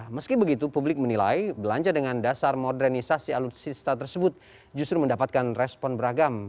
meski begitu publik menilai belanja dengan dasar modernisasi alutsista tersebut justru mendapatkan respon beragam